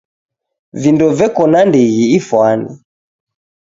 Vindo veko na ndighi ifwane .